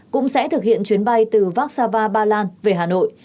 cũng sẽ thực hiện chuyến bay từ vác sa va ba lan về hà nội